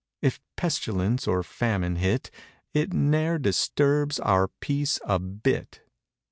If pestilence or famine hit. It ne'er disturbs our peace a bit.